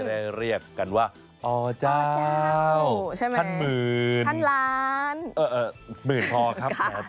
จะได้เรียกกันว่าอ๋อเจ้าใช่ไหมท่านหมื่นท่านล้านเอ่อเอ่อหมื่นพอครับค่ะ